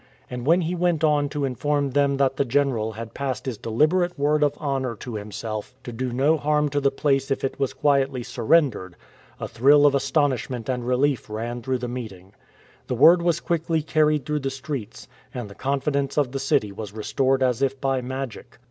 And when 93 TIIE SAVIOUR OF LIAO YANC he went on to inform them that the general had passed his deliberate word of honour to himself to do no harm to the place if it was quietly surrendered, a thrill of astonish ment and relief ran through the meeting. The word was quickly carried through the streets, and the confidence of the city was restored as if by magic.